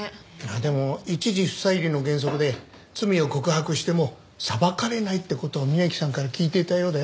でも一事不再理の原則で罪を告白しても裁かれないって事を峯木さんから聞いていたようだよ。